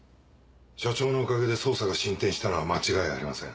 署長のおかげで捜査が進展したのは間違いありません。